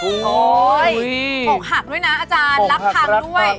โอ้โหอกหักด้วยนะอาจารย์รักพังด้วย